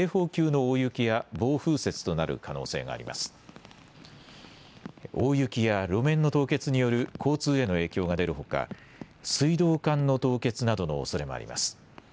大雪や路面の凍結による交通への影響が出るほか水道管の凍結などのおそれもあります。